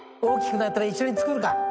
大きくなったら一緒に作るか。